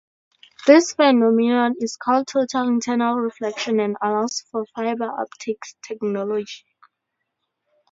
This phenomenon is called total internal reflection and allows for fiber optics technology.